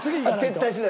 撤退しないと。